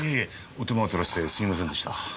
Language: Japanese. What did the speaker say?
お手間をとらせてすみませんでした。